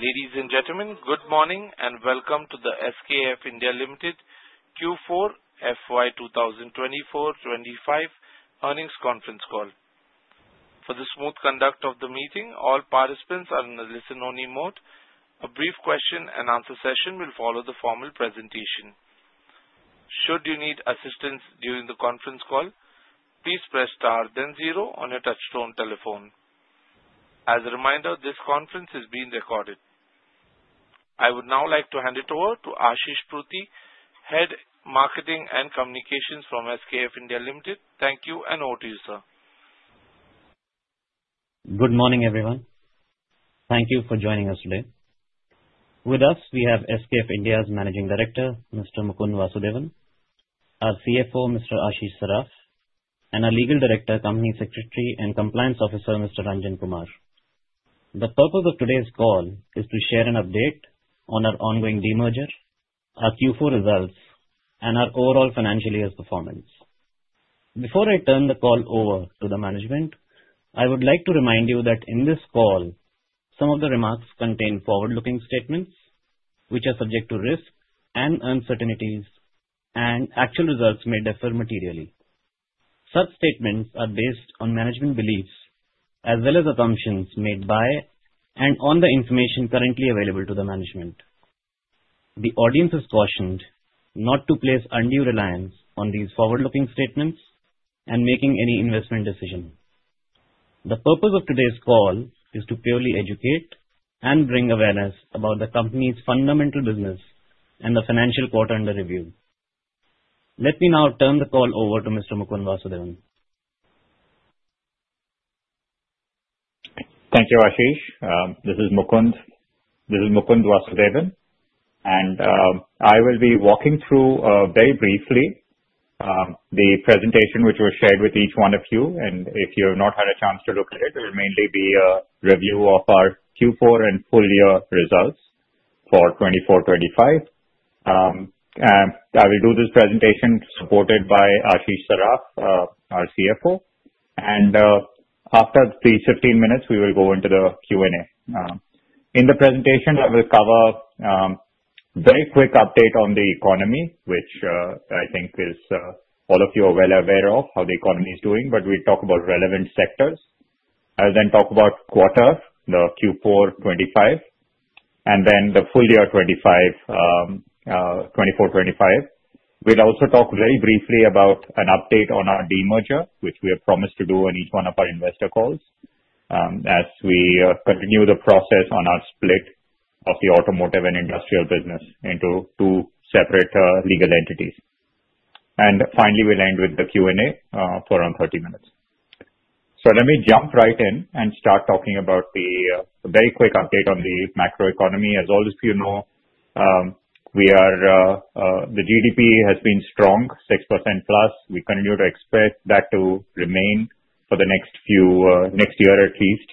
Ladies and gentlemen, good morning and welcome to the SKF India Limited Q4 FY 2024-25 earnings conference call. For the smooth conduct of the meeting, all participants are in a listen-only mode. A brief question-and-answer session will follow the formal presentation. Should you need assistance during the conference call, please press star then zero on your touch-tone telephone. As a reminder, this conference is being recorded. I would now like to hand it over to Ashish Pruthi, Head Marketing and Communications from SKF India Limited. Thank you and over to you, sir. Good morning, everyone. Thank you for joining us today. With us, we have SKF India's Managing Director, Mr. Mukund Vasudevan, our CFO, Mr. Ashish Saraf, and our Legal Director, Company Secretary, and Compliance Officer, Mr. Ranjan Kumar. The purpose of today's call is to share an update on our ongoing demerger, our Q4 results, and our overall financial year's performance. Before I turn the call over to the management, I would like to remind you that in this call, some of the remarks contain forward-looking statements, which are subject to risk and uncertainties, and actual results may differ materially. Such statements are based on management beliefs as well as assumptions made by and on the information currently available to the management. The audience is cautioned not to place undue reliance on these forward-looking statements and make any investment decisions. The purpose of today's call is to purely educate and bring awareness about the company's fundamental business and the financial quarter under review. Let me now turn the call over to Mr. Mukund Vasudevan. Thank you, Ashish. This is Mukund. This is Mukund Vasudevan. And I will be walking through very briefly the presentation which was shared with each one of you. And if you have not had a chance to look at it, it will mainly be a review of our Q4 and full-year results for 24-25. I will do this presentation supported by Ashish Saraf, our CFO. And after these 15 minutes, we will go into the Q&A. In the presentation, I will cover a very quick update on the economy, which I think all of you are well aware of, how the economy is doing. But we'll talk about relevant sectors. I'll then talk about quarter, the Q4-25, and then the full-year 24-25. We'll also talk very briefly about an update on our demerger, which we have promised to do on each one of our investor calls as we continue the process on our split of the automotive and industrial business into two separate legal entities, and finally, we'll end with the Q&A for around 30 minutes, so let me jump right in and start talking about the very quick update on the macroeconomy. As all of you know, the GDP has been strong, 6% plus. We continue to expect that to remain for the next year, at least,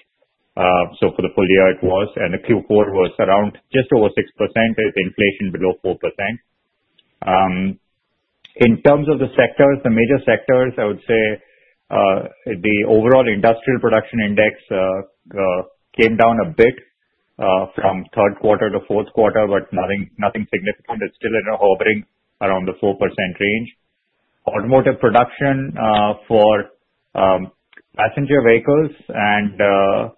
so for the full year, it was, and the Q4 was around just over 6% with inflation below 4%. In terms of the sectors, the major sectors, I would say the overall industrial production index came down a bit from third quarter to fourth quarter, but nothing significant. It's still hovering around the 4% range. Automotive production for passenger vehicles and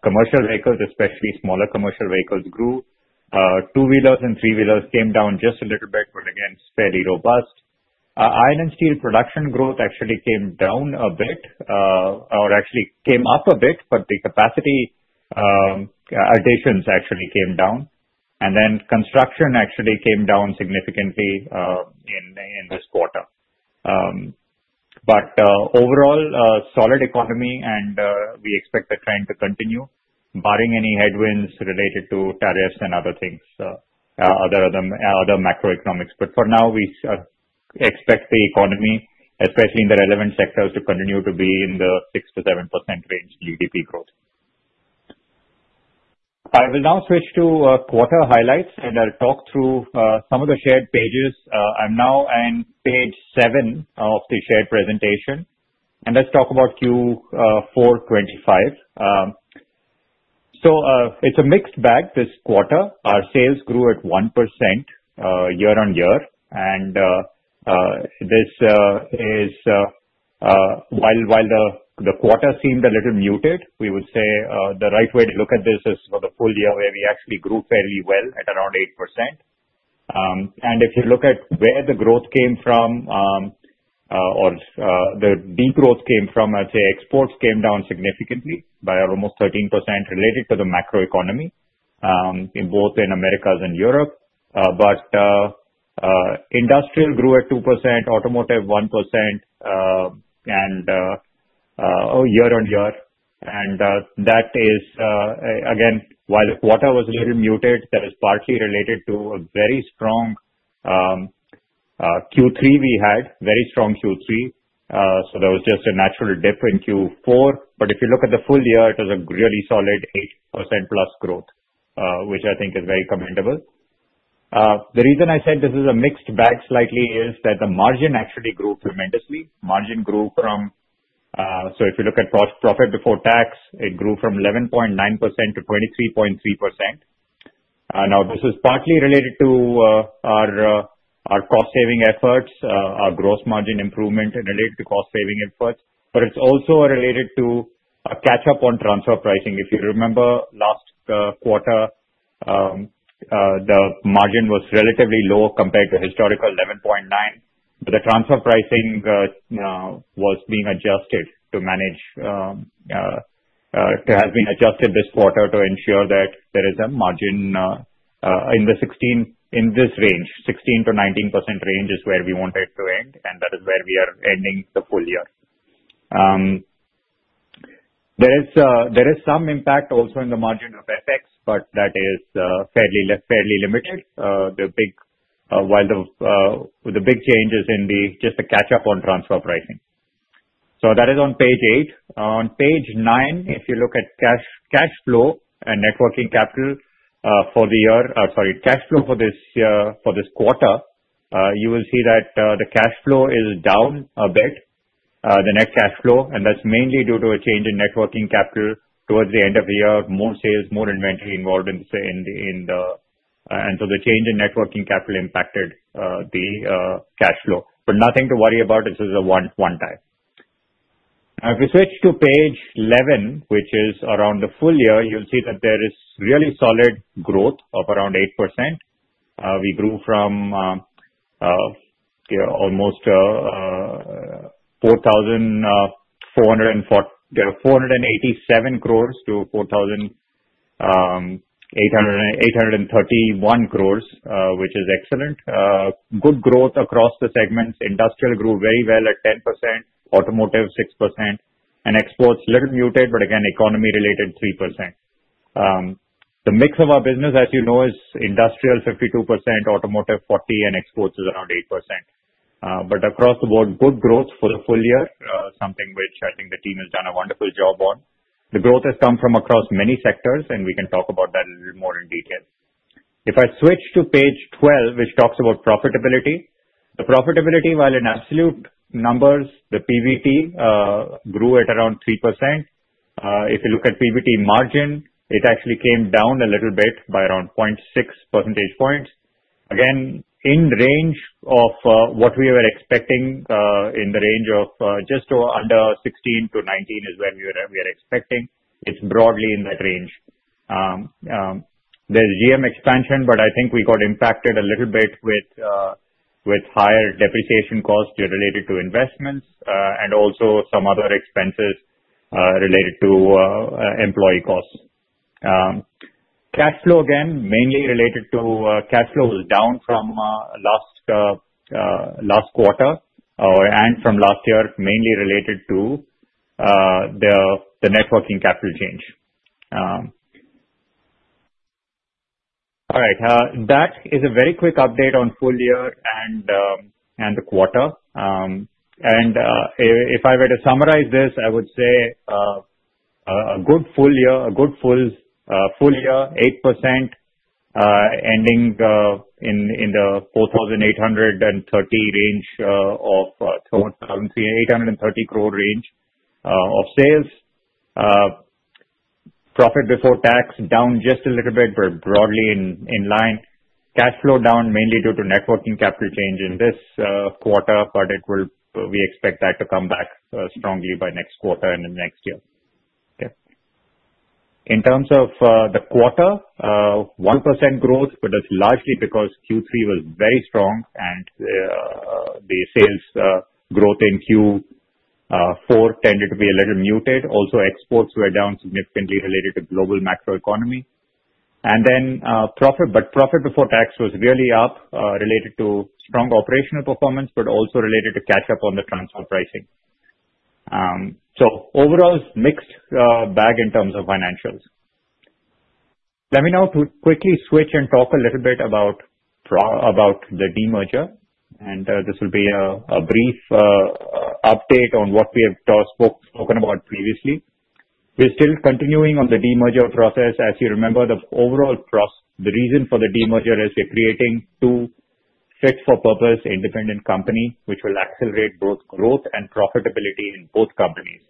commercial vehicles, especially smaller commercial vehicles, grew. Two-wheelers and three-wheelers came down just a little bit, but again, fairly robust. Iron and steel production growth actually came down a bit, or actually came up a bit, but the capacity additions actually came down, and then construction actually came down significantly in this quarter, but overall, solid economy, and we expect the trend to continue, barring any headwinds related to tariffs and other things, other macroeconomics, but for now, we expect the economy, especially in the relevant sectors, to continue to be in the 6%-7% range GDP growth. I will now switch to quarter highlights and talk through some of the shared pages. I'm now on page seven of the shared presentation, and let's talk about Q4-25. So it's a mixed bag this quarter. Our sales grew at 1% year on year. And while the quarter seemed a little muted, we would say the right way to look at this is for the full year where we actually grew fairly well at around 8%. And if you look at where the growth came from, or the degrowth came from, I'd say exports came down significantly by almost 13% related to the macroeconomy in both America and Europe. But industrial grew at 2%, automotive 1%, and year on year. And that is, again, while the quarter was a little muted, that is partly related to a very strong Q3 we had, very strong Q3. So there was just a natural dip in Q4. But if you look at the full year, it was a really solid 8% plus growth, which I think is very commendable. The reason I said this is a mixed bag slightly is that the margin actually grew tremendously. Margin grew from, so if you look at profit before tax, it grew from 11.9% to 23.3%. Now, this is partly related to our cost-saving efforts, our gross margin improvement related to cost-saving efforts, but it's also related to a catch-up on transfer pricing. If you remember last quarter, the margin was relatively low compared to historical 11.9%. But the transfer pricing was being adjusted to manage to have been adjusted this quarter to ensure that there is a margin in this range, 16%-19% range is where we wanted to end, and that is where we are ending the full year. There is some impact also in the margin of FX, but that is fairly limited while the big change is in just the catch-up on transfer pricing. So that is on page eight. On page nine, if you look at cash flow and working capital for the year, sorry, cash flow for this quarter, you will see that the cash flow is down a bit, the net cash flow. And that's mainly due to a change in working capital towards the end of the year, more sales, more inventory involved in the, and so the change in working capital impacted the cash flow. But nothing to worry about. This is a one-time. Now, if we switch to page 11, which is around the full year, you'll see that there is really solid growth of around 8%. We grew from almost 4,487 crores to 4,831 crores, which is excellent. Good growth across the segments. Industrial grew very well at 10%, automotive 6%, and exports a little muted, but again, economy-related 3%. The mix of our business, as you know, is industrial 52%, automotive 40%, and exports is around 8%. But across the board, good growth for the full year, something which I think the team has done a wonderful job on. The growth has come from across many sectors, and we can talk about that a little more in detail. If I switch to page 12, which talks about profitability, the profitability, while in absolute numbers, the PBT grew at around 3%. If you look at PBT margin, it actually came down a little bit by around 0.6 percentage points. Again, in range of what we were expecting, in the range of just under 16% to 19% is where we are expecting. It's broadly in that range. There's GM expansion, but I think we got impacted a little bit with higher depreciation costs related to investments and also some other expenses related to employee costs. Cash flow, again, mainly related to cash flow was down from last quarter and from last year, mainly related to the working capital change. All right. That is a very quick update on full year and the quarter, and if I were to summarize this, I would say a good full year, a good full year, 8% ending in the 4,830 range of 830 crore range of sales. Profit before tax down just a little bit, but broadly in line. Cash flow down mainly due to working capital change in this quarter, but we expect that to come back strongly by next quarter and next year. Okay. In terms of the quarter, 1% growth, but that's largely because Q3 was very strong and the sales growth in Q4 tended to be a little muted. Also, exports were down significantly related to global macroeconomy, and then profit, but profit before tax was really up related to strong operational performance, but also related to catch-up on the transfer pricing, so overall, mixed bag in terms of financials. Let me now quickly switch and talk a little bit about the demerger, and this will be a brief update on what we have spoken about previously. We're still continuing on the demerger process. As you remember, the reason for the demerger is we're creating two fit-for-purpose independent companies, which will accelerate both growth and profitability in both companies.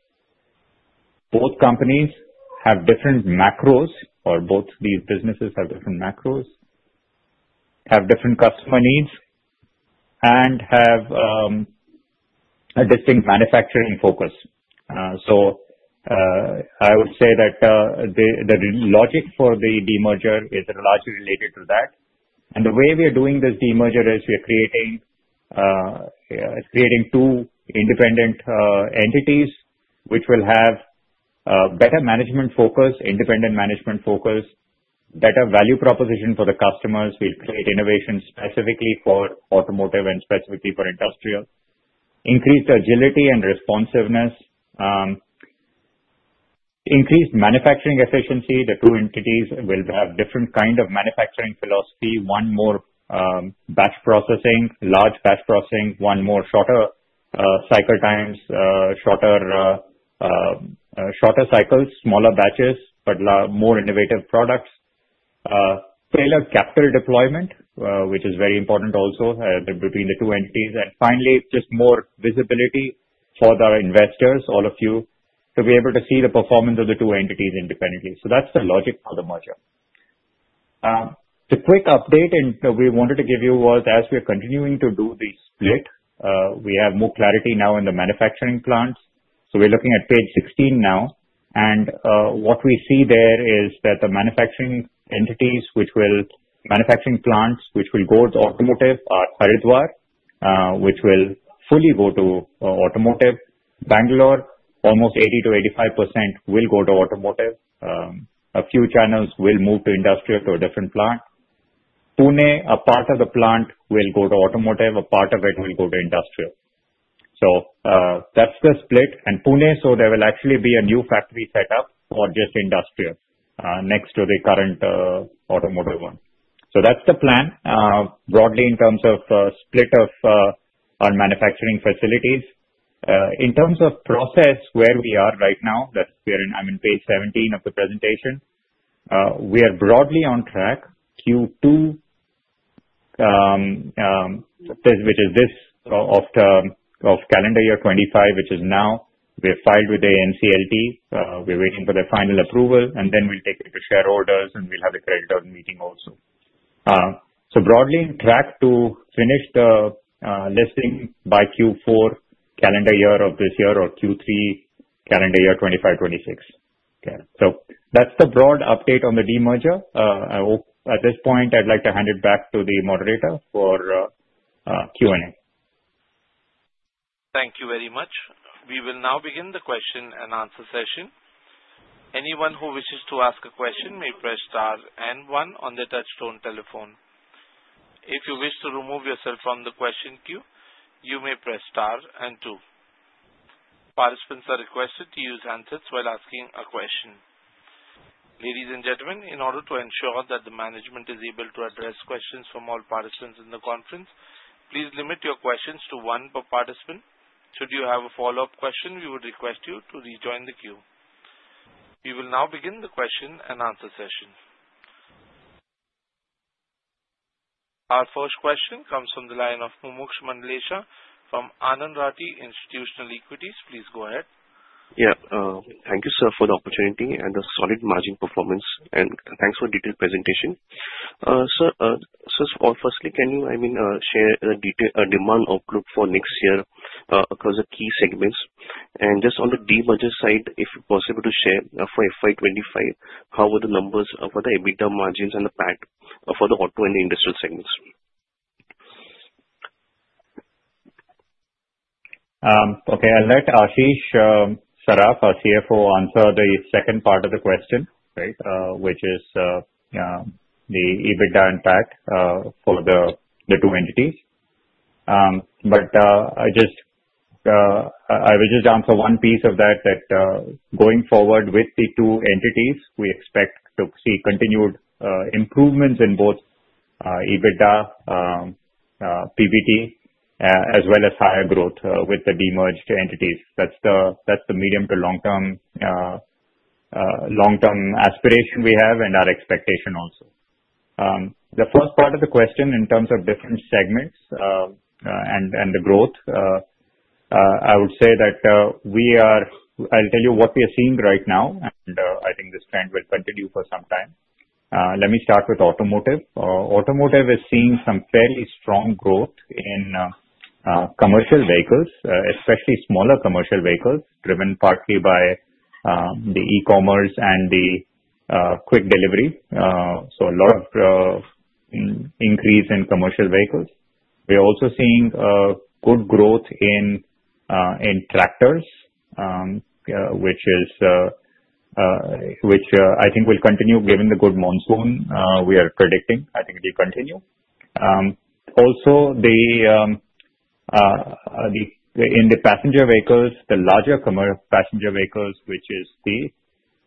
Both companies have different macros, or both these businesses have different macros, have different customer needs, and have a distinct manufacturing focus. So I would say that the logic for the demerger is largely related to that. And the way we are doing this demerger is we are creating two independent entities, which will have better management focus, independent management focus, better value proposition for the customers. We'll create innovation specifically for automotive and specifically for industrial, increase agility and responsiveness, increase manufacturing efficiency. The two entities will have different kinds of manufacturing philosophy, one more batch processing, large batch processing, one more shorter cycle times, shorter cycles, smaller batches, but more innovative products, tailored capital deployment, which is very important also between the two entities. And finally, just more visibility for the investors, all of you, to be able to see the performance of the two entities independently. So that's the logic for the merger. The quick update we wanted to give you was, as we are continuing to do the split, we have more clarity now in the manufacturing plants, so we're looking at page 16 now, and what we see there is that the manufacturing entities, which will manufacturing plants, which will go to automotive, are Haridwar, which will fully go to automotive, Bangalore, almost 80%-85% will go to automotive. A few channels will move to industrial to a different plant. Pune, a part of the plant will go to automotive, a part of it will go to industrial, so that's the split, and Pune, so there will actually be a new factory setup for just industrial next to the current automotive one, so that's the plan broadly in terms of split of our manufacturing facilities. In terms of process, where we are right now, I'm in page 17 of the presentation. We are broadly on track. Q2, which is this of calendar year 2025, which is now, we're filed with the NCLT. We're waiting for the final approval, and then we'll take it to shareholders, and we'll have a credit meeting also. So broadly in track to finish the listing by Q4 calendar year of this year or Q3 calendar year 2025-2026. Okay. So that's the broad update on the demerger. At this point, I'd like to hand it back to the moderator for Q&A. Thank you very much. We will now begin the question and answer session. Anyone who wishes to ask a question may press star and one on the touch-tone telephone. If you wish to remove yourself from the question queue, you may press star and two. Participants are requested to use handsets while asking a question. Ladies and gentlemen, in order to ensure that the management is able to address questions from all participants in the conference, please limit your questions to one per participant. Should you have a follow-up question, we would request you to rejoin the queue. We will now begin the question and answer session. Our first question comes from the line of Mumuksh Mandlesha from Anand Rathi Institutional Equities. Please go ahead. Yeah. Thank you, sir, for the opportunity and the solid margin performance. And thanks for the detailed presentation. Sir, firstly, can you, I mean, share a demand outlook for next year across the key segments? And just on the demerger side, if possible to share for FY25, how were the numbers for the EBITDA margins and the PAT for the auto and industrial segments? Okay. I'll let Ashish Saraf, our CFO, answer the second part of the question, right, which is the EBITDA and PAT for the two entities. But I will just answer one piece of that, that going forward with the two entities, we expect to see continued improvements in both EBITDA, PBT, as well as higher growth with the demerged entities. That's the medium to long-term aspiration we have and our expectation also. The first part of the question in terms of different segments and the growth, I would say that I'll tell you what we are seeing right now, and I think this trend will continue for some time. Let me start with automotive. Automotive is seeing some fairly strong growth in commercial vehicles, especially smaller commercial vehicles driven partly by the e-commerce and the quick delivery. So a lot of increase in commercial vehicles. We are also seeing good growth in tractors, which I think will continue given the good monsoon we are predicting. I think it will continue. Also, in the passenger vehicles, the larger passenger vehicles, which is the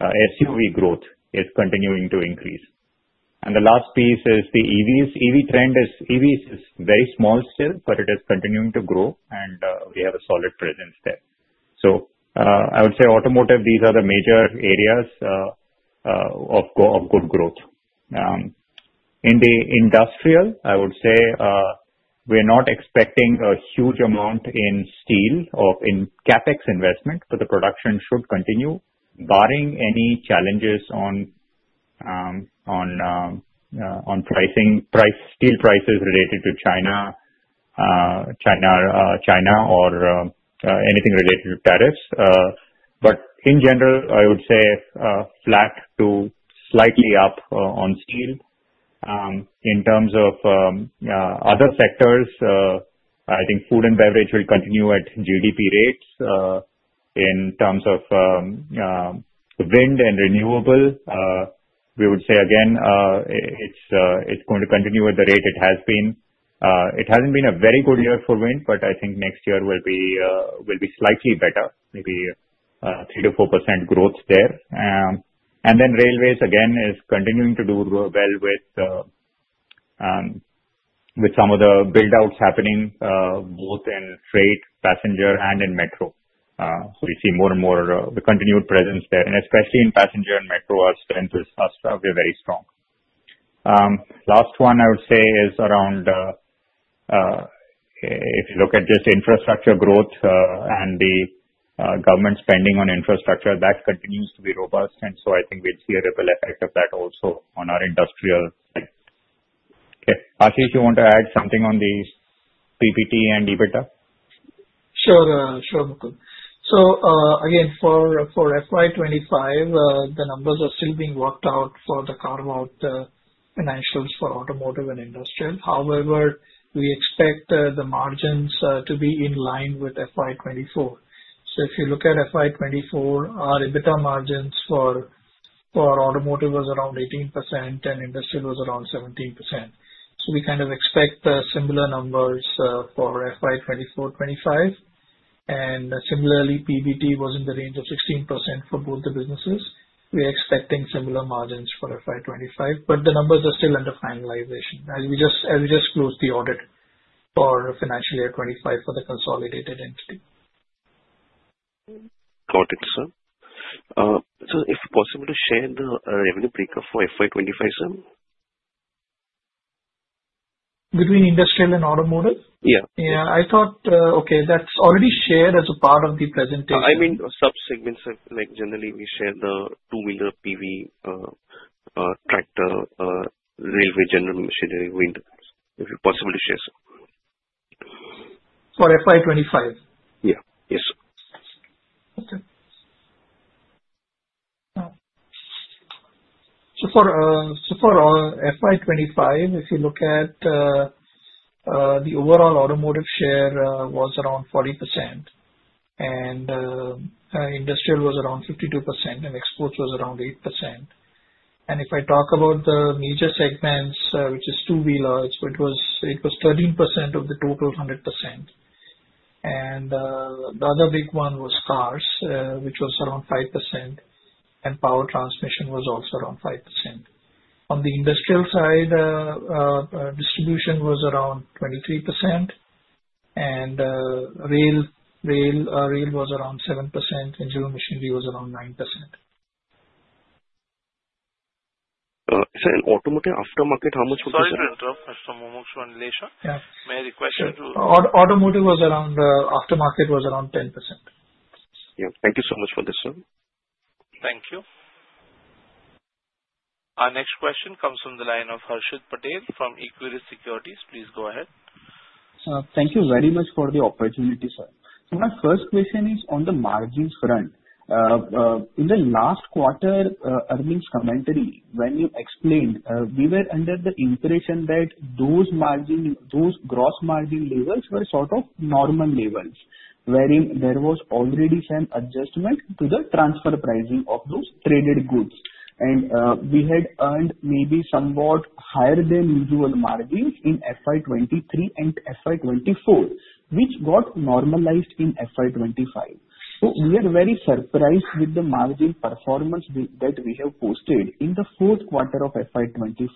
SUV growth, is continuing to increase, and the last piece is the EVs. EV trend is EVs is very small still, but it is continuing to grow, and we have a solid presence there, so I would say automotive, these are the major areas of good growth. In the industrial, I would say we're not expecting a huge amount in steel or in CapEx investment, but the production should continue, barring any challenges on pricing, steel prices related to China or anything related to tariffs, but in general, I would say flat to slightly up on steel. In terms of other sectors, I think food and beverage will continue at GDP rates. In terms of wind and renewable, we would say, again, it's going to continue at the rate it has been. It hasn't been a very good year for wind, but I think next year will be slightly better, maybe 3%-4% growth there. And then railways, again, is continuing to do well with some of the buildouts happening both in freight, passenger, and in metro. So we see more and more of the continued presence there, and especially in passenger and metro, our strength is very strong. Last one, I would say, is around if you look at just infrastructure growth and the government spending on infrastructure, that continues to be robust. And so I think we'd see a ripple effect of that also on our industrial side. Okay. Ashish, you want to add something on the PPT and EBITDA? Sure. Sure, Mumuksh. So again, for FY25, the numbers are still being worked out for the carve-out financials for automotive and industrial. However, we expect the margins to be in line with FY24. So if you look at FY24, our EBITDA margins for automotive was around 18%, and industrial was around 17%. So we kind of expect similar numbers for FY24-25. And similarly, PBT was in the range of 16% for both the businesses. We are expecting similar margins for FY25, but the numbers are still under finalization as we just closed the audit for financial year 25 for the consolidated entity. Got it, sir. So if possible, share the revenue breakup for FY25, sir? Between industrial and automotive? Yeah. Yeah. I thought, okay, that's already shared as a part of the presentation. I mean, subsegments, generally, we share the two-wheeler PV tractor, railway, general machinery, wind. If possible to share, sir? For FY25? Yeah. Yes, sir. Okay. So for FY25, if you look at the overall automotive share was around 40%, and industrial was around 52%, and exports was around 8%. And if I talk about the major segments, which is two-wheelers, it was 13% of the total 100%. And the other big one was cars, which was around 5%, and power transmission was also around 5%. On the industrial side, distribution was around 23%, and rail was around 7%, and general machinery was around 9%. Sir, in automotive, aftermarket, how much would be? Sorry, Mr. Mumuksh Mandlesha, may I request you to? Automotive was around, aftermarket was around 10%. Yeah. Thank you so much for this, sir. Thank you. Our next question comes from the line of AshiPatel from Equirus Securities. Please go ahead. Thank you very much for the opportunity, sir. So my first question is on the margins front. In the last quarter earnings commentary, when you explained, we were under the impression that those gross margin levels were sort of normal levels, wherein there was already some adjustment to the transfer pricing of those traded goods. And we had earned maybe somewhat higher than usual margins in FY23 and FY24, which got normalized in FY25. So we are very surprised with the margin performance that we have posted in the fourth quarter of FY25.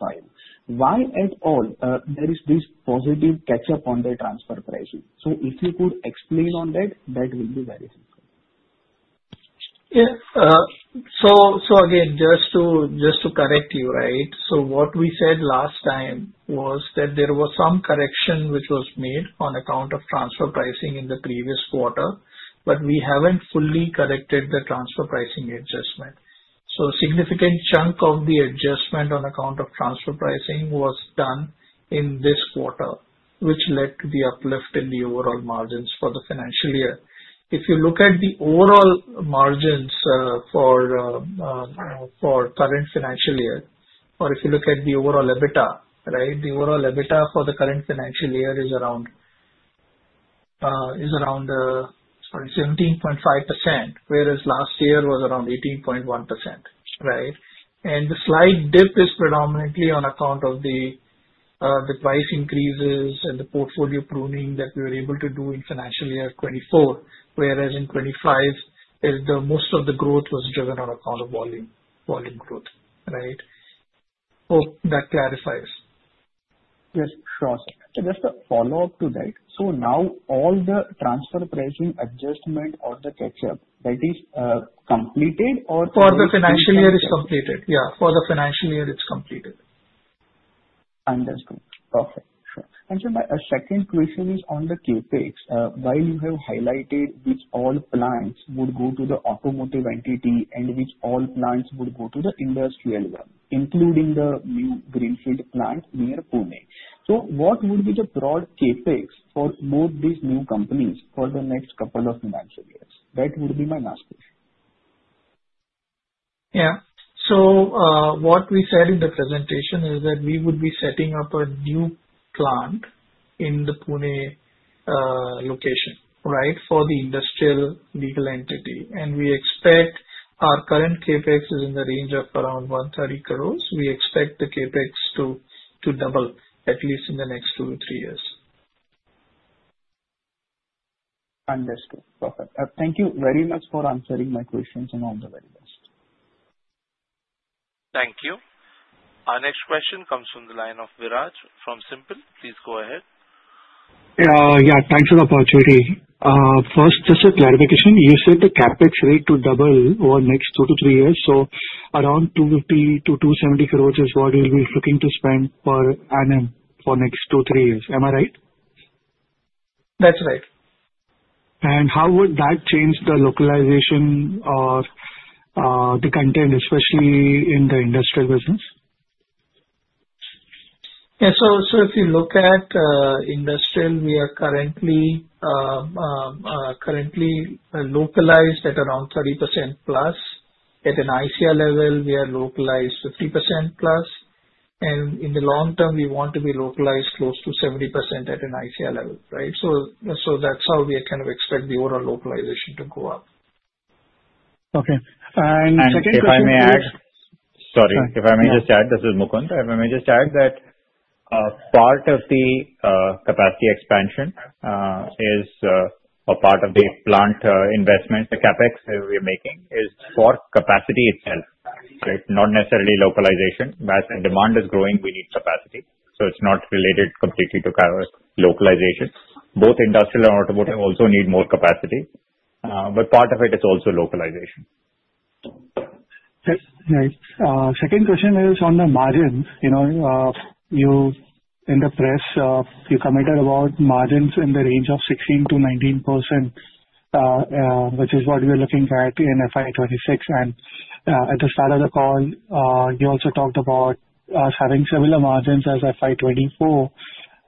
Why at all there is this positive catch-up on the transfer pricing? So if you could explain on that, that will be very helpful. Yeah. So again, just to correct you, right, so what we said last time was that there was some correction which was made on account of transfer pricing in the previous quarter, but we haven't fully corrected the transfer pricing adjustment. So a significant chunk of the adjustment on account of transfer pricing was done in this quarter, which led to the uplift in the overall margins for the financial year. If you look at the overall margins for current financial year, or if you look at the overall EBITDA, right, the overall EBITDA for the current financial year is around 17.5%, whereas last year was around 18.1%, right? And the slight dip is predominantly on account of the price increases and the portfolio pruning that we were able to do in financial year 2024, whereas in 2025, most of the growth was driven on account of volume growth, right? Hope that clarifies. Yes. Sure. So just a follow-up to that. So now all the transfer pricing adjustment or the catch-up, that is completed or? For the financial year, it's completed. Yeah. Understood. Perfect. Sure. And sir, my second question is on the CapEx. While you have highlighted which all plants would go to the automotive entity and which all plants would go to the industrial one, including the new Greenfield plant near Pune, so what would be the broad CapEx for both these new companies for the next couple of financial years? That would be my last question. Yeah. So what we said in the presentation is that we would be setting up a new plant in the Pune location, right, for the industrial legal entity. And we expect our current CapEx is in the range of around 130 crores. We expect the CapEx to double at least in the next two to three years. Understood. Perfect. Thank you very much for answering my questions. And all the very best. Thank you. Our next question comes from the line of Viraj from SiMPL. Please go ahead. Yeah. Thanks for the opportunity. First, just a clarification. You said the CapEx rate to double over the next two to three years. So around 250-270 crores is what we'll be looking to spend per annum for the next two to three years. Am I right? That's right. How would that change the localization or the content, especially in the industrial business? Yeah. So if you look at industrial, we are currently localized at around 30% plus. At an ICR level, we are localized 50% plus. And in the long term, we want to be localized close to 70% at an ICR level, right? So that's how we kind of expect the overall localization to go up. Okay. And second question. And if I may add, sorry. If I may just add, this is Mukund. If I may just add that part of the capacity expansion is or part of the plant investment, the CapEx we are making is for capacity itself, right? Not necessarily localization. As the demand is growing, we need capacity. So it's not related completely to localization. Both industrial and automotive also need more capacity. But part of it is also localization. Nice. Second question is on the margins. In the press, you commented about margins in the range of 16%-19%, which is what we are looking at in FY26. And at the start of the call, you also talked about us having similar margins as FY24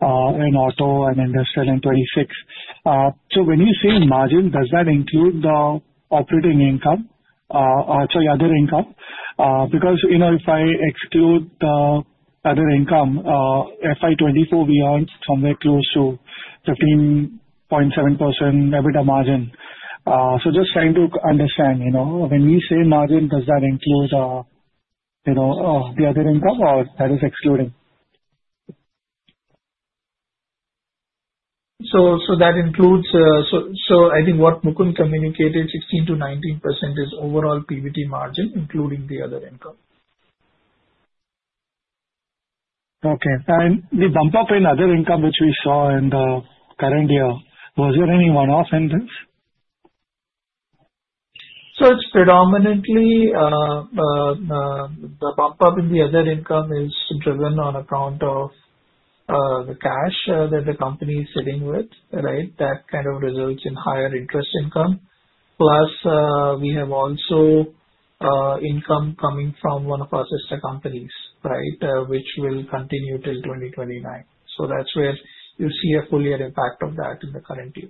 in auto and industrial in '26. So when you say margins, does that include the operating income? Sorry, other income? Because if I exclude the other income, FY24, we earned somewhere close to 15.7% EBITDA margin. So just trying to understand, when we say margins, does that include the other income or that is excluding? That includes. I think what Mukund communicated, 16%-19% is overall PBT margin, including the other income. Okay. And the bump-up in other income, which we saw in the current year, was there any one-off in this? So it's predominantly the bump-up in the other income is driven on account of the cash that the company is sitting with, right? That kind of results in higher interest income. Plus, we have also income coming from one of our sister companies, right, which will continue till 2029. So that's where you see a fuller impact of that in the current year.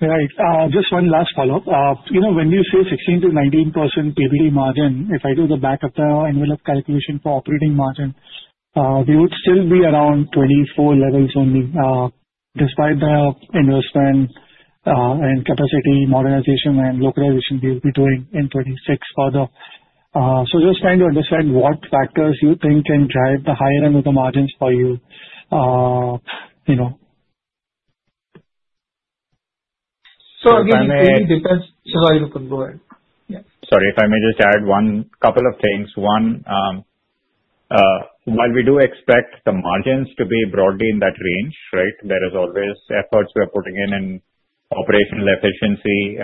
Right. Just one last follow-up. When you say 16%-19% PBT margin, if I do the back-of-the-envelope calculation for operating margin, we would still be around 24 levels only, despite the investment and capacity modernization and localization we'll be doing in 2026 further. So just trying to understand what factors you think can drive the higher end of the margins for you? So again, if any, sorry, Mukund, go ahead. Sorry. If I may just add one couple of things. One, while we do expect the margins to be broadly in that range, right, there is always efforts we are putting in in operational efficiency,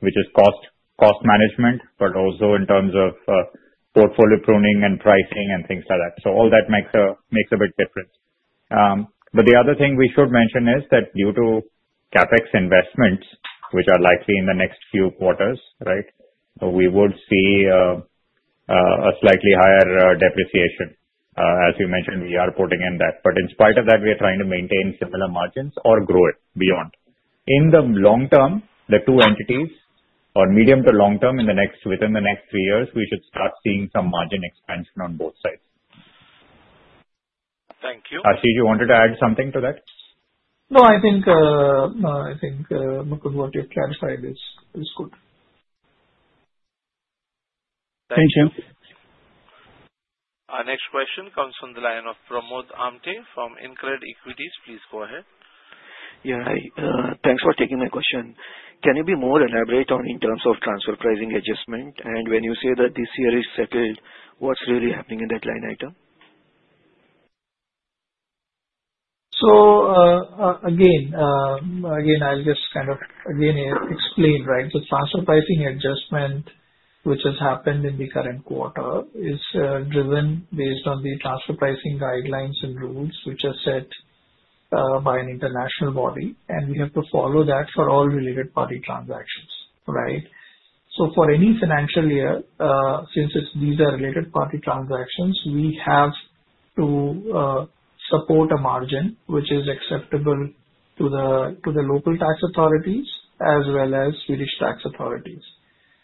which is cost management, but also in terms of portfolio pruning and pricing and things like that. So all that makes a big difference. But the other thing we should mention is that due to CapEx investments, which are likely in the next few quarters, right, we would see a slightly higher depreciation. As you mentioned, we are putting in that. But in spite of that, we are trying to maintain similar margins or grow it beyond. In the long term, the two entities or medium to long term, within the next three years, we should start seeing some margin expansion on both sides. Thank you. Harshit, you wanted to add something to that? No, I think Mukund, what you clarified is good. Thank you. Our next question comes from the line of Pramod Amthe from InCred Equities. Please go ahead. Yeah. Thanks for taking my question. Can you be more elaborate on in terms of transfer pricing adjustment? And when you say that this year is settled, what's really happening in that line item? So again, I'll just kind of again explain, right? The transfer pricing adjustment, which has happened in the current quarter, is driven based on the transfer pricing guidelines and rules which are set by an international body. And we have to follow that for all related party transactions, right? So for any financial year, since these are related party transactions, we have to support a margin which is acceptable to the local tax authorities as well as Swedish tax authorities.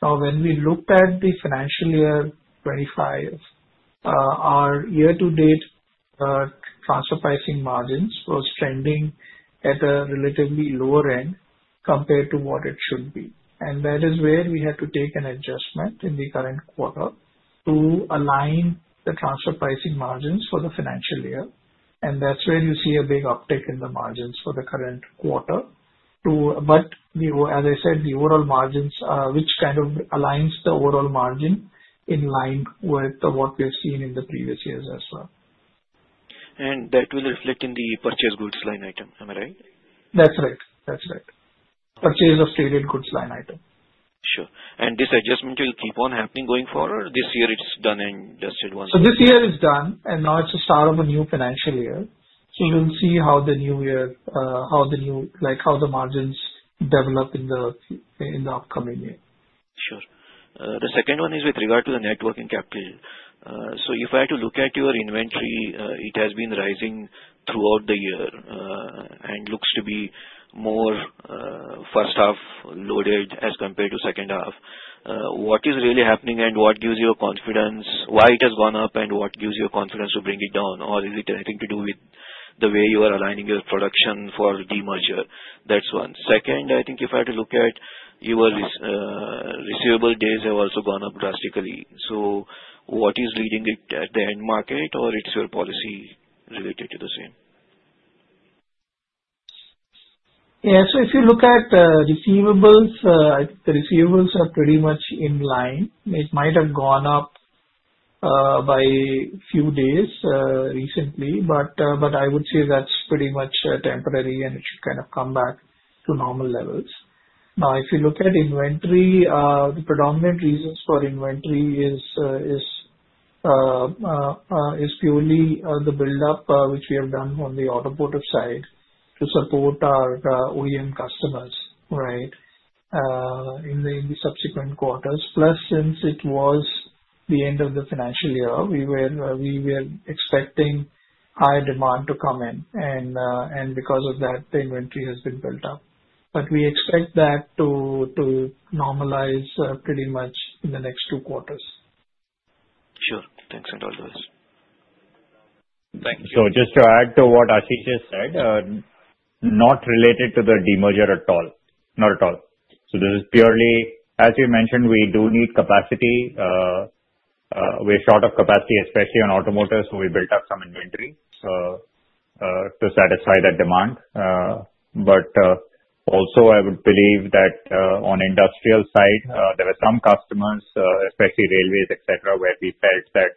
Now, when we looked at the financial year 2025, our year-to-date transfer pricing margins were trending at a relatively lower end compared to what it should be. And that is where we had to take an adjustment in the current quarter to align the transfer pricing margins for the financial year. And that's where you see a big uptick in the margins for the current quarter. But as I said, the overall margins, which kind of aligns the overall margin in line with what we have seen in the previous years as well. That will reflect in the purchased goods line item. Am I right? That's right. That's right. Purchase of traded goods line item. Sure. And this adjustment will keep on happening going forward? This year it's done and just it was... This year it's done, and now it's the start of a new financial year. You'll see how the margins develop in the upcoming year. Sure. The second one is with regard to the net working capital. So if I had to look at your inventory, it has been rising throughout the year and looks to be more first half loaded as compared to second half. What is really happening and what gives you confidence? Why it has gone up and what gives you confidence to bring it down? Or is it anything to do with the way you are aligning your production for the merger? That's one. Second, I think if I had to look at your receivables, they have also gone up drastically. So what is leading it at the end market, or it's your policy related to the same? Yeah. So, if you look at the receivables, I think the receivables are pretty much in line. It might have gone up by a few days recently, but I would say that's pretty much temporary, and it should kind of come back to normal levels. Now, if you look at inventory, the predominant reasons for inventory is purely the buildup which we have done on the automotive side to support our OEM customers, right, in the subsequent quarters. Plus, since it was the end of the financial year, we were expecting higher demand to come in, and because of that, the inventory has been built up, but we expect that to normalize pretty much in the next two quarters. Sure. Thanks for all those. Thank you. So just to add to what Harshit just said, not related to the demerger at all. Not at all. So this is purely, as you mentioned, we do need capacity. We're short of capacity, especially on automotive, so we built up some inventory to satisfy that demand. But also, I would believe that on the industrial side, there were some customers, especially railways, etc., where we felt that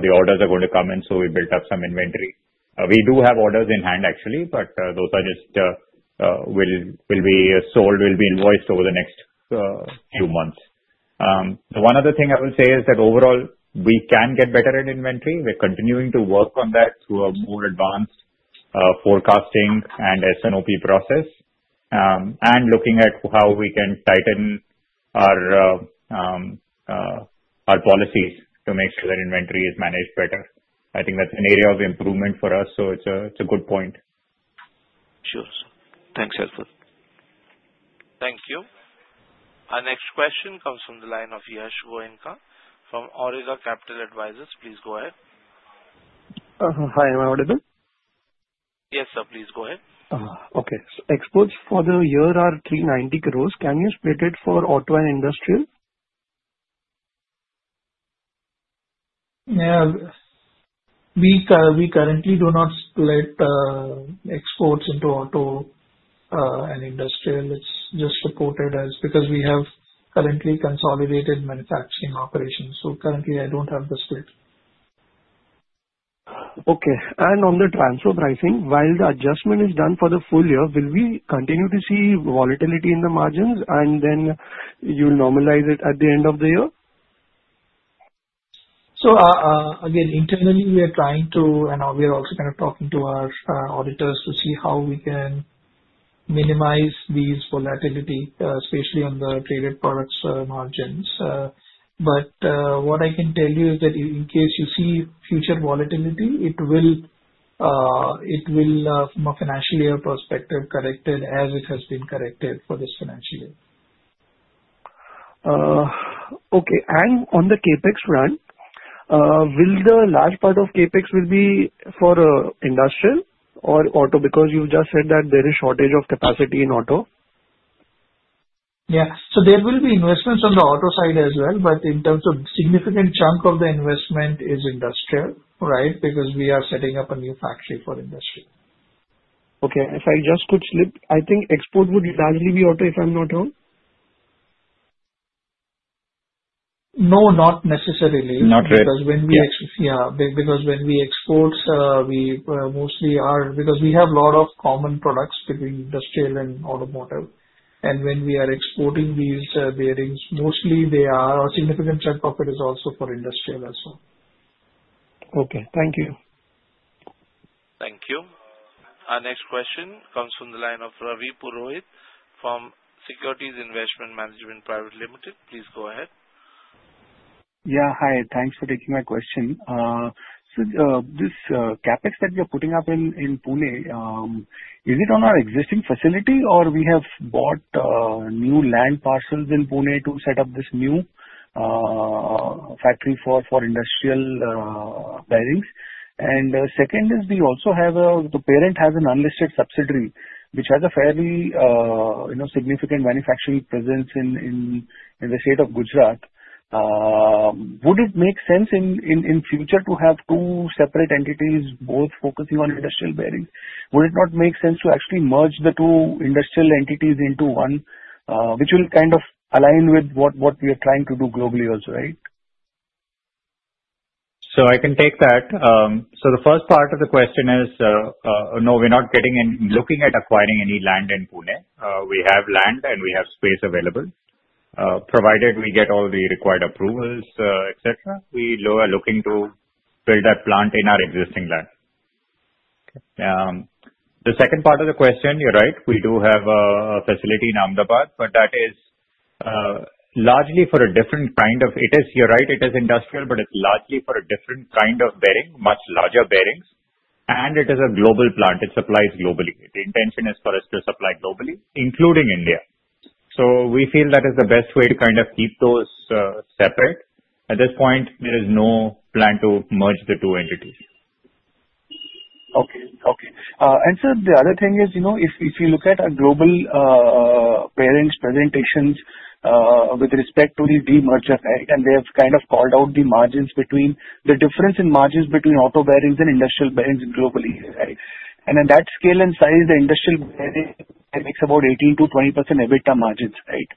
the orders are going to come in, so we built up some inventory. We do have orders in hand, actually, but those are just will be sold, will be invoiced over the next few months. One other thing I will say is that overall, we can get better at inventory. We're continuing to work on that through a more advanced forecasting and S&OP process and looking at how we can tighten our policies to make sure that inventory is managed better. I think that's an area of improvement for us, so it's a good point. Sure. Thanks, Helpful. Thank you. Our next question comes from the line of Yash Goenka from Auriga Capital Advisors. Please go ahead. Hi. Am I audible? Yes, sir. Please go ahead. Okay. So exports for the year are 390 crores. Can you split it for auto and industrial? Yeah. We currently do not split exports into auto and industrial. It's just reported as, because we have currently consolidated manufacturing operations. So currently, I don't have the split. Okay. And on the transfer pricing, while the adjustment is done for the full year, will we continue to see volatility in the margins, and then you'll normalize it at the end of the year? So again, internally, we are trying to, and we're also kind of talking to our auditors to see how we can minimize these volatility, especially on the traded products margins. But what I can tell you is that in case you see future volatility, it will, from a financial year perspective, corrected as it has been corrected for this financial year. Okay. And on the CapEx run, will the large part of CapEx be for industrial or auto because you just said that there is shortage of capacity in auto? Yeah. So there will be investments on the auto side as well, but in terms of significant chunk of the investment is industrial, right, because we are setting up a new factory for industry. Okay. If I just could slip, I think export would largely be auto, if I'm not wrong? No, not necessarily. Not really. Because when we export, we mostly are because we have a lot of common products between industrial and automotive, and when we are exporting these bearings, mostly they are a significant share of it is also for industrial as well. Okay. Thank you. Thank you. Our next question comes from the line of Ravi Purohit from Securities Investment Management Private Limited. Please go ahead. Yeah. Hi. Thanks for taking my question. So this CapEx that we are putting up in Pune, is it on our existing facility, or we have bought new land parcels in Pune to set up this new factory for industrial bearings? And second is, we also have a, the parent has an unlisted subsidiary, which has a fairly significant manufacturing presence in the state of Gujarat. Would it make sense in future to have two separate entities, both focusing on industrial bearings? Would it not make sense to actually merge the two industrial entities into one, which will kind of align with what we are trying to do globally also, right? So I can take that. So the first part of the question is, no, we're not getting in looking at acquiring any land in Pune. We have land, and we have space available. Provided we get all the required approvals, etc., we are looking to build that plant in our existing land. The second part of the question, you're right, we do have a facility in Ahmedabad, but that is largely for a different kind of, you're right, it is industrial, but it's largely for a different kind of bearing, much larger bearings. And it is a global plant. It supplies globally. The intention is for us to supply globally, including India. So we feel that is the best way to kind of keep those separate. At this point, there is no plan to merge the two entities. Okay. Okay. And so the other thing is, if you look at our global bearings presentations with respect to the demerger fact, and they have kind of called out the margins between the difference in margins between auto bearings and industrial bearings globally, right? And at that scale and size, the industrial bearing makes about 18%-20% EBITDA margins, right?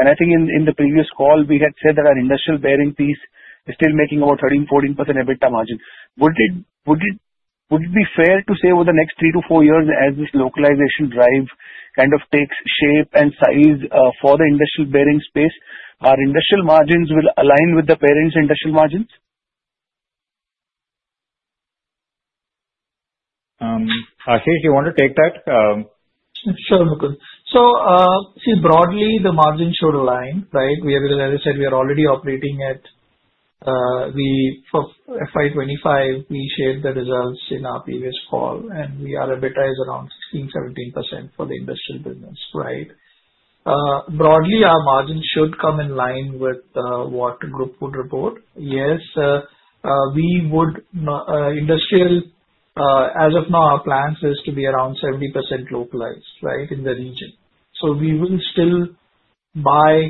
And I think in the previous call, we had said that our industrial bearing piece is still making about 13%-14% EBITDA margin. Would it be fair to say over the next three to four years, as this localization drive kind of takes shape and size for the industrial bearing space, our industrial margins will align with the parent's industrial margins? Harshit, do you want to take that? Sure, Mukund. So see, broadly, the margin should align, right? As I said, we are already operating at the FY25. We shared the results in our previous call, and our EBITDA is around 16%-17% for the industrial business, right? Broadly, our margin should come in line with what the group would report. Yes, industrial, as of now, our plan is to be around 70% localized, right, in the region. So we will still buy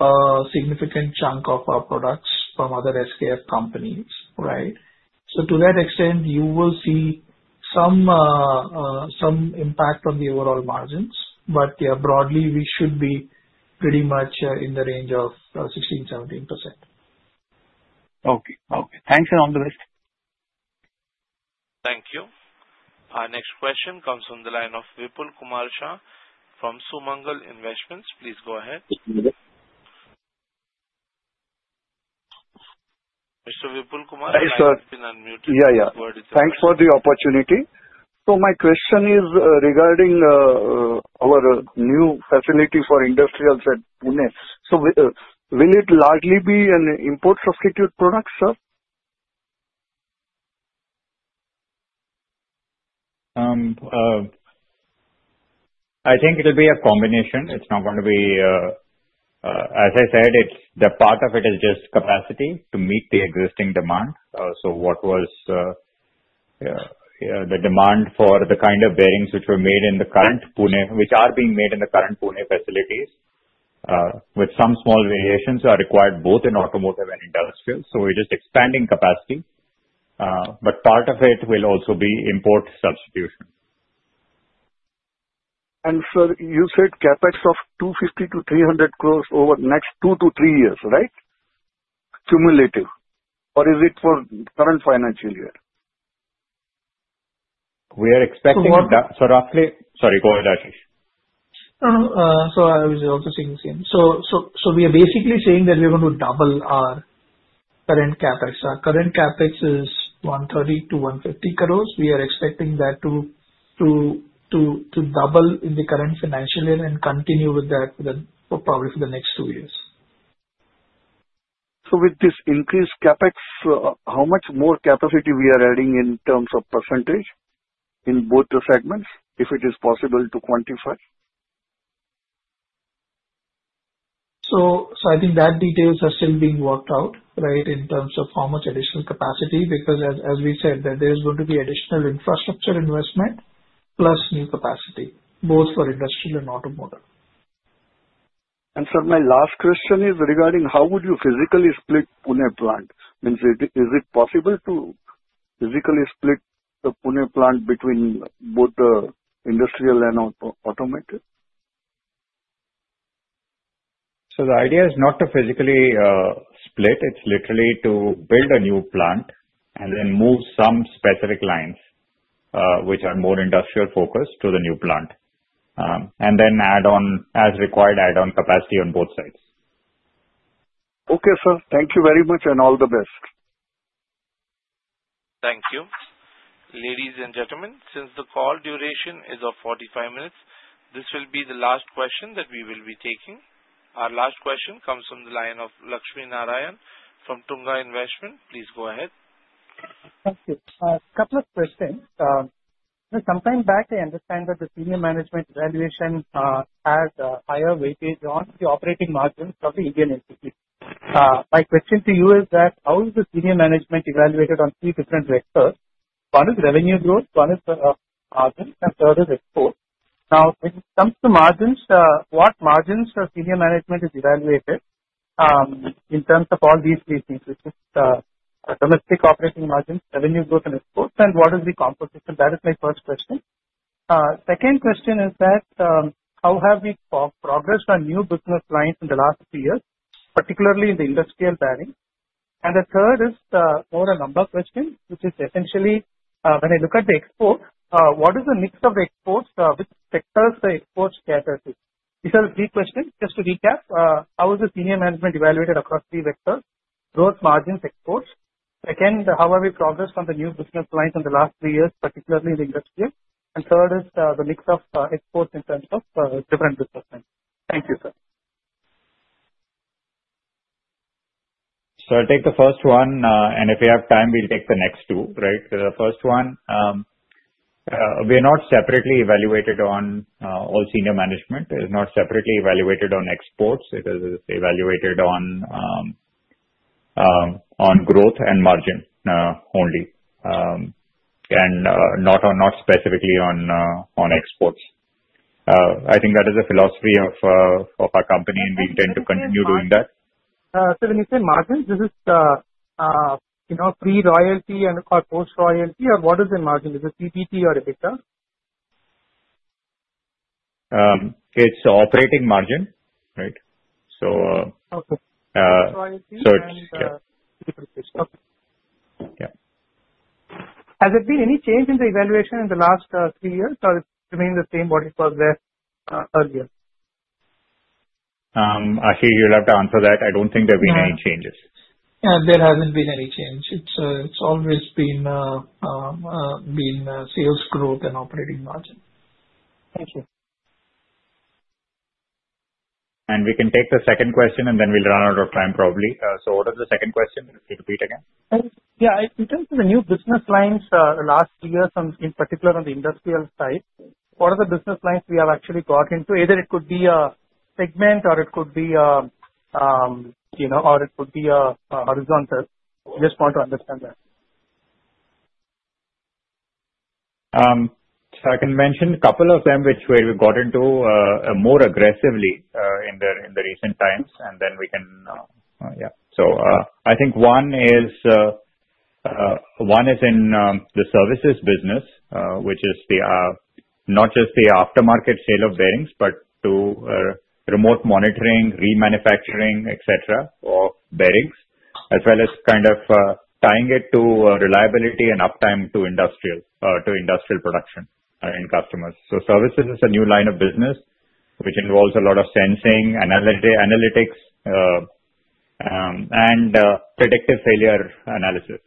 a significant chunk of our products from other SKF companies, right? So to that extent, you will see some impact on the overall margins. But yeah, broadly, we should be pretty much in the range of 16%-17%. Okay. Okay. Thanks, and all the best. Thank you. Our next question comes from the line of Vipul Kumar Shah from Sumangal Investments. Please go ahead. Mr. Vipul Kumar, you have been unmuted. Yeah, yeah. Thanks for the opportunity. So my question is regarding our new facility for industrials at Pune. So will it largely be an import substitute product, sir? I think it'll be a combination. It's not going to be, as I said, the part of it is just capacity to meet the existing demand. So what was the demand for the kind of bearings which were made in the current Pune, which are being made in the current Pune facilities, with some small variations are required both in automotive and industrial. So we're just expanding capacity. But part of it will also be import substitution. And sir, you said CapEx of 250-300 crores over the next two to three years, right, cumulative? Or is it for the current financial year? expecting - so roughly - sorry, go ahead, Harshit. I was also saying the same. We are basically saying that we are going to double our current CapEx. Our current CapEx is 130-150 crores. We are expecting that to double in the current financial year and continue with that probably for the next two years. So with this increased CapEx, how much more capacity we are adding in terms of percentage in both the segments, if it is possible to quantify? So I think that details are still being worked out, right, in terms of how much additional capacity, because, as we said, there is going to be additional infrastructure investment plus new capacity, both for industrial and automotive. Sir, my last question is regarding how would you physically split Pune plant? Means is it possible to physically split the Pune plant between both the industrial and automotive? So the idea is not to physically split. It's literally to build a new plant and then move some specific lines, which are more industrial focused, to the new plant and then add on as required, add on capacity on both sides. Okay, sir. Thank you very much and all the best. Thank you. Ladies and gentlemen, since the call duration is of 45 minutes, this will be the last question that we will be taking. Our last question comes from the line of Lakshmi Narayanan from Tunga Investments. Please go ahead. Thank you. A couple of questions. Sometime back, I understand that the senior management evaluation has a higher weightage on the operating margins of the Indian entity. My question to you is that how is the senior management evaluated on three different vectors? One is revenue growth, one is margins, and third is exports. Now, when it comes to margins, what margins are senior management evaluated in terms of all these three things, which is domestic operating margins, revenue growth, and exports? And what is the composition? That is my first question. Second question is that how have we progressed on new business lines in the last two years, particularly in the industrial bearing? And the third is more a number question, which is essentially when I look at the exports, what is the mix of the exports? Which sectors are exports scattered to? These are the three questions. Just to recap, how is the senior management evaluated across three vectors: growth, margins, exports? Second, how have we progressed on the new business lines in the last three years, particularly in the industrial? And third is the mix of exports in terms of different business lines. Thank you, sir. So I'll take the first one, and if we have time, we'll take the next two, right? The first one, we're not separately evaluated on all senior management. It is not separately evaluated on exports. It is evaluated on growth and margin only and not specifically on exports. I think that is the philosophy of our company, and we intend to continue doing that. So when you say margins, this is pre-royalty and post-royalty, or what is the margin? Is it EBIT or EBITDA? It's operating margin, right? So. Okay. Post-royalty and EBITDA. Yeah. Has there been any change in the evaluation in the last three years, or it remained the same what it was there earlier? Actually, you'll have to answer that. I don't think there have been any changes. There hasn't been any change. It's always been sales growth and operating margin. Thank you. And we can take the second question, and then we'll run out of time probably. So what is the second question? Can you repeat again? Yeah. In terms of the new business lines last year, in particular on the industrial side, what are the business lines we have actually got into? Either it could be a segment, or it could be a horizontal. Just want to understand that. I can mention a couple of them which we've got into more aggressively in the recent times, and then we can, yeah. I think one is in the services business, which is not just the aftermarket sale of bearings, but to remote monitoring, remanufacturing, etc., of bearings, as well as kind of tying it to reliability and uptime to industrial production and customers. Services is a new line of business which involves a lot of sensing, analytics, and predictive failure analysis.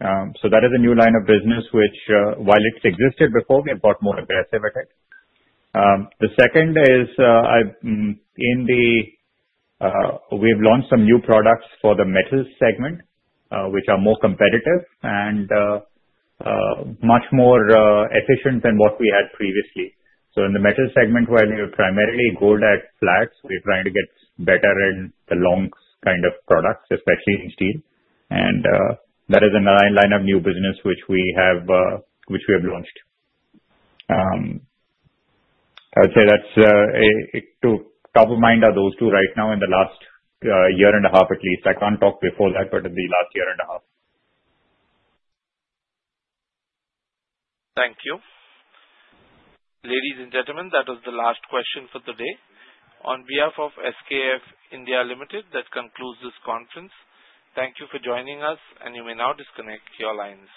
That is a new line of business which, while it existed before, we have got more aggressive at it. The second is in the. We've launched some new products for the metals segment which are more competitive and much more efficient than what we had previously. So in the metals segment, where they are primarily gold and flats, we're trying to get better in the long kind of products, especially in steel. And that is another line of new business which we have launched. I would say that's—to top of mind are those two right now in the last year and a half at least. I can't talk before that, but in the last year and a half. Thank you. Ladies and gentlemen, that was the last question for the day. On behalf of SKF India Limited, that concludes this conference. Thank you for joining us, and you may now disconnect your lines.